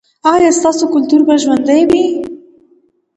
ایا ستاسو کلتور به ژوندی وي؟